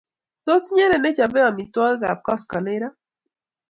Tos inyendet nechopei amitwokikab kosgoleny ra?